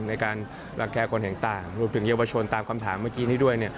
ในการรังแก่คนเห็นต่างรวมถึงเยาวชนตามคำถามเมื่อกี้นี้ด้วย